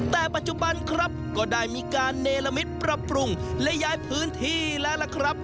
แต่ปัจจุบันครับก็ได้มีการเนรมิตปรับปรุงและย้ายพื้นที่แล้วล่ะครับ